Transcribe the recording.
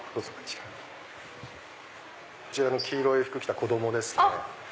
こちらの黄色い服着た子供ですね。